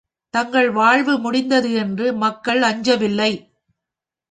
தங்கள் வாழ்வு முடிந்தது என்று மக்கள் அஞ்சவில்லை.